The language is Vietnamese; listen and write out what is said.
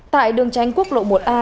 tại đường tranh quốc lộ một a